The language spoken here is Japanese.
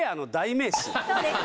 そうです